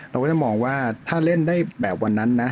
เราก็จะมองว่าถ้าเล่นได้แบบวันนั้นนะ